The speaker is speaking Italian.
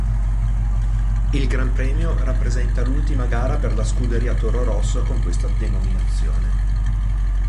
Il Gran Premio rappresenta l'ultima gara per la Scuderia Toro Rosso con questa denominazione.